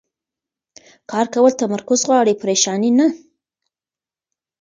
کار کول تمرکز غواړي، پریشاني نه.